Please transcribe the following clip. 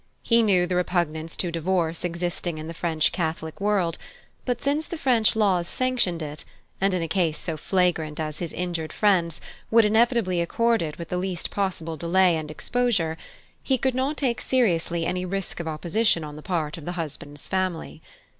He knew the repugnance to divorce existing in the French Catholic world, but since the French laws sanctioned it, and in a case so flagrant as his injured friend's, would inevitably accord it with the least possible delay and exposure, he could not take seriously any risk of opposition on the part of the husband's family.